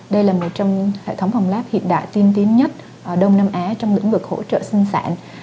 đây là một trong những hệ thống phòng lab hiện đại tiên tiến nhất đông nam á trong lĩnh vực hỗ trợ sinh sản